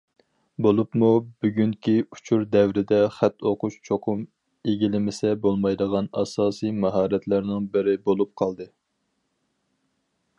بولۇپمۇ بۈگۈنكى ئۇچۇر دەۋرىدە، خەت ئوقۇش چوقۇم ئىگىلىمىسە بولمايدىغان ئاساسى ماھارەتلەرنىڭ بىرى بولۇپ قالدى.